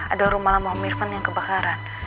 ada rumah lama om irfan yang kebakaran